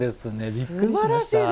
びっくりしました。